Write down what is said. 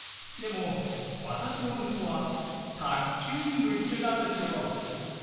でも私の息子は卓球に夢中なんですよ。